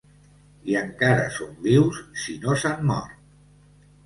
I encara són vius si no s'han mort.